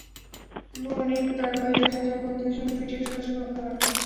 এমন অনেক তারকাই আছেন, যাঁরা ভক্তদের সঙ্গে টুইটারে যোগাযোগ রক্ষা করেন।